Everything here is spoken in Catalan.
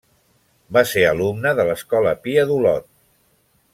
Va ser alumne de l'Escola Pia d'Olot.